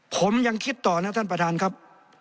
ผมยังคิดต่อนะท่านประธานครับ